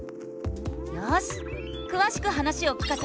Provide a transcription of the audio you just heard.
よしくわしく話を聞かせてくれるかな？